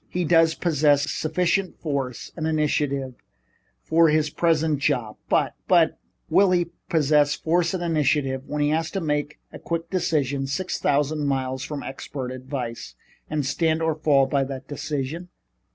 He does possess sufficient force and initiative for his present job, but " "But will he possess force and initiative when he has to make a quick decision six thousand miles from expert advice, and stand or fall by that decision?